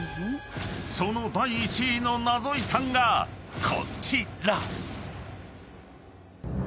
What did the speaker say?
［その第１位のナゾ遺産がこちら］